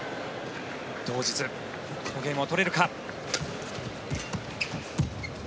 動じず、このゲームを取れるか。